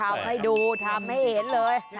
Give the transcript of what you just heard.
ทำให้ดูทำให้เห็นเลย